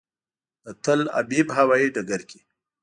د تل ابیب هوایي ډګر کې.